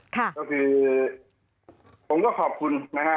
ก็คือผมก็ขอบคุณนะฮะ